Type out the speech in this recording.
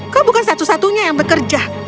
kau bukan satu satunya yang bekerja